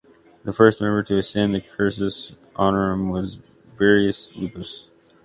The first member to ascend the "cursus honorum" was Virius Lupus.